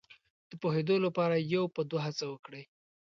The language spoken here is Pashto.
د پوهېدو لپاره یو په دوه هڅه وکړي.